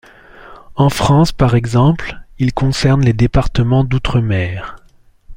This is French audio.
En France, par exemple, il concerne les départements d’Outre-Mer.